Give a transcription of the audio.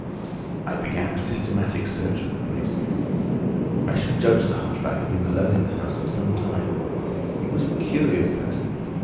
"I began a systematic search of the place. I should judge the hunchback had been alone in the house for some time. He was a curious person.